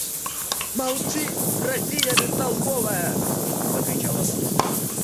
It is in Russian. Молчи, разиня бестолковая! – закричала бабка.